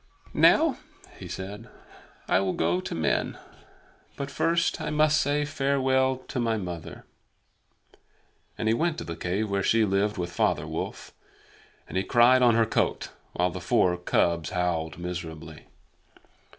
"Now," he said, "I will go to men. But first I must say farewell to my mother." And he went to the cave where she lived with Father Wolf, and he cried on her coat, while the four cubs howled miserably.